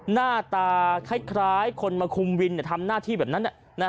หน้าตาคล้ายคนมาคุมวินทำหน้าที่แบบนั้น